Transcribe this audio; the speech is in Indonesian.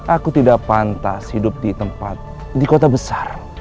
aku tidak pantas hidup di tempat di kota besar